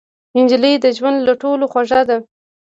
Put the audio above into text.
نجلۍ د ژوند له ټولو خوږه ده.